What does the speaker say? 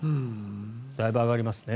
だいぶ上がりますね。